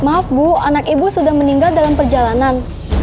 maaf bu anak ibu sudah meninggal dalam perjalanan